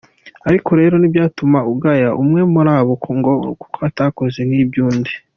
Ariko rero ntibyatuma ugaya umwe muri bo ngo kuko atakoze nk'iby'undi.